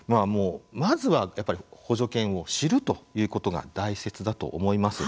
まずはやっぱり補助犬を知るということが大切だと思います。